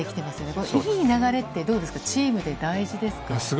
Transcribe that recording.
このいい流れって、どうですか、チームで大事ですか。